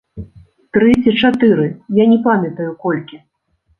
Тры ці чатыры, я не памятаю, колькі.